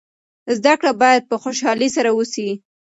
زده کړه باید په خوشحالۍ سره وسي.